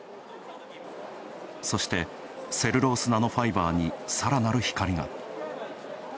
そして、セルロースナノファイバーに更なる光が。